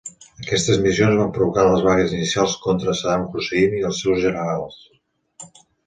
Aquestes missions van provocar les vagues inicials contra Saddam Hussein i els seus generals.